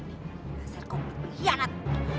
masa kau berkhianat